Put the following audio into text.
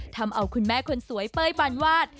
ทำเอาคุณแม่คนสวยเป้ยปานวาด